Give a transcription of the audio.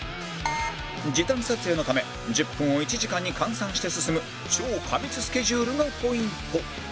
時短撮影のため１０分を１時間に換算して進む超過密スケジュールがポイント